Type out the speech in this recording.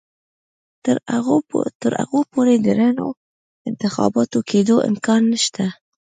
تر هغو پورې د رڼو انتخاباتو کېدو امکان نشته.